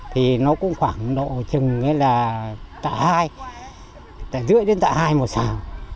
thì nó cũng khoảng độ chừng là tạ hai tạ rưỡi đến tạ hai một sản